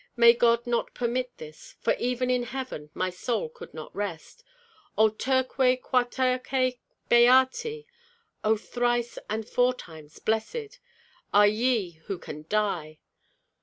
May God not permit this, for even in heaven my soul could not rest. O, terque, quaterque beati (O thrice and four times blessed) are ye who can die!